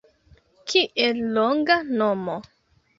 Kiel longa nomo